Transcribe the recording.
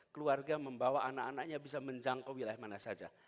keluarga membawa anak anaknya bisa menjangkau wilayah mana saja